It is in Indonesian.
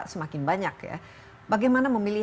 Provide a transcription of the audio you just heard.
semakin banyak bagaimana memilih